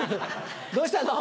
どうしたの？